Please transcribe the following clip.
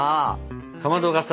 かまどがさ